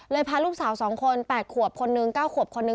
เลยพาลูกสาวสองคนแปดขวบคนนึงเก้าขวบคนนึง